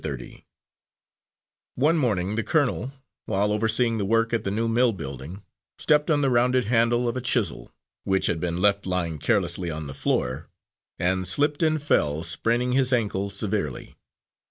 Thirty One morning the colonel, while overseeing the work at the new mill building, stepped on the rounded handle of a chisel, which had been left lying carelessly on the floor, and slipped and fell, spraining his ankle severely.